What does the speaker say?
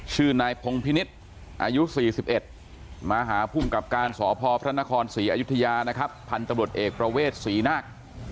ชื่อนายพงภินิษฐ์อายุ๔๑มหาภูมิกับการศพพระนครศรีอยุธยาพันตรวจเอกประเวทศรีนัก